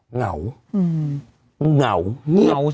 เสียงเบ็ด